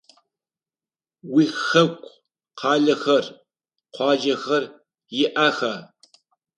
Уихэку къалэхэр, къуаджэхэр иӏэха?